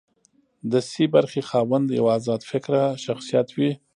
د سي برخې خاوند یو ازاد فکره شخصیت وي.